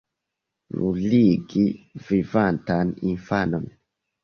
Bruligi vivantan infanon!